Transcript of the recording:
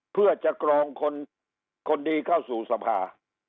เพื่อจะกรองคนดีเข้าสู่สภา